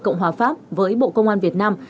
cộng hòa pháp với bộ công an việt nam